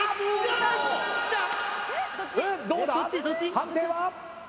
判定は？